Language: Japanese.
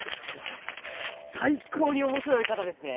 もう最高に面白い方ですね。